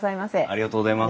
ありがとうございます。